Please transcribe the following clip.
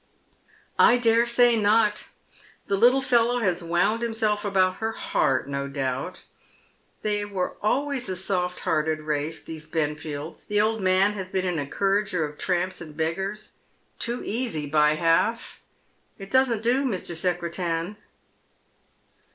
" I dare say not. The little fellow has wound himself about her heart, no doubt. They were always a soft hearted race, these Benfields. The old man has been an encourager of tramps and beggars, too easy by half. It doesn't do, Mr. Secretan."